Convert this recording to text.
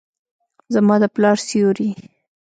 زما د پلار سیوري ،